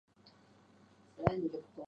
每周六为精彩重播。